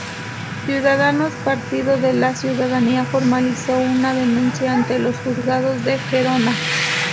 Ciudadanos-Partido de la Ciudadanía formalizó una denuncia ante los juzgados de Gerona.